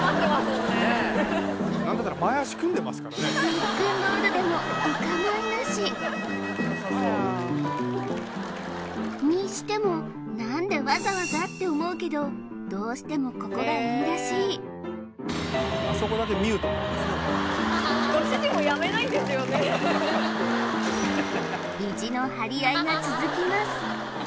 ロックンロールでもおかまいなしにしても何でわざわざって思うけどらしい意地の張り合いが続きます